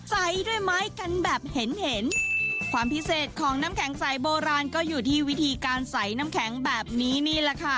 ใส่ด้วยไม้กันแบบเห็นเห็นความพิเศษของน้ำแข็งใสโบราณก็อยู่ที่วิธีการใส่น้ำแข็งแบบนี้นี่แหละค่ะ